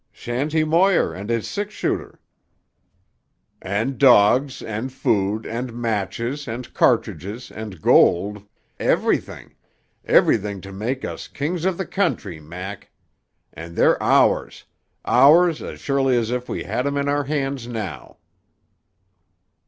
"Shanty Moir and his six shooter." "And dogs, and food, and matches, and cartridges, and gold, everything, everything to make us kings of the country, Mac! And they're ours—ours as surely as if we had 'em in our hands now."